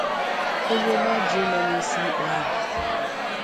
onye Majie nọ n'isi ikpe ahụ